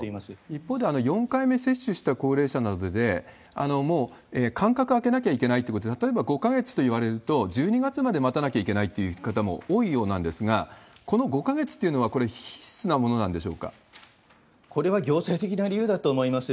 一方で、４回目接種した高齢者などで、もう間隔開けなきゃいけないということで、例えば５か月といわれると、１２月まで待たなきゃいけないという方も多いようなんですが、この５か月というのは、これ、これは行政的なものだと思います。